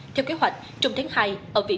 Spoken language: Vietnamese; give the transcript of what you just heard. theo kế hoạch trong tháng hai ở vị trí công an quận